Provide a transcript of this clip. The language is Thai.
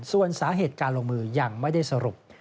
ส่วนสาเหตุการลงมือยังไม่ได้สรุป